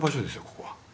ここは。